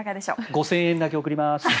５０００円だけ送ります